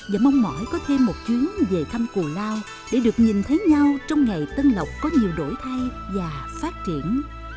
và mong mỏi có thêm một chuyến về thăm củ lao để được nhìn thấy nhau trong ngày tân lộc có nhiều đổi thay và phát triển